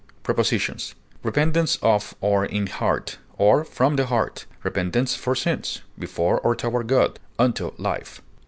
Prepositions: Repentance of or in heart, or from the heart; repentance for sins; before or toward God; unto life.